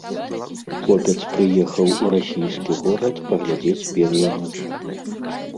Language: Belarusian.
Хлопец прыехаў у расійскі горад паглядзець белыя ночы.